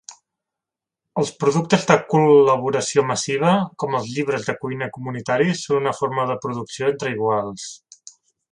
Els productes de col·laboració massiva, com els llibres de cuina comunitaris són una forma de producció entre iguals.